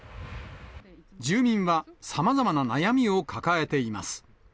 住民は、さまざまな悩みを抱えています。